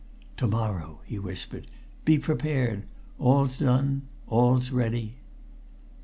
"To morrow!" he whispered. "Be prepared! All's done; all's ready!"